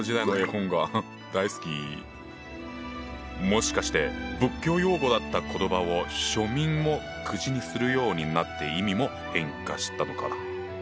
もしかして仏教用語だった言葉を庶民も口にするようになって意味も変化したのかな？